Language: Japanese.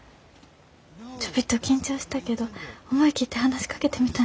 ちょびっと緊張したけど思い切って話しかけてみたんじゃ。